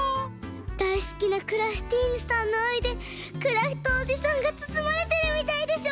だいすきなクラフティーヌさんのあいでクラフトおじさんがつつまれてるみたいでしょ？